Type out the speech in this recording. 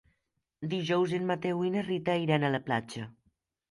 Dijous en Mateu i na Rita iran a la platja.